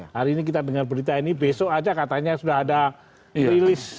hari ini kita dengar berita ini besok aja katanya sudah ada rilis